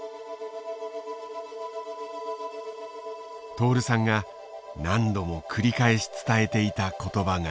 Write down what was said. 徹さんが何度も繰り返し伝えていた言葉がある。